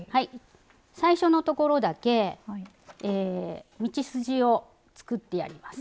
最初のところだけ道筋を作ってやります。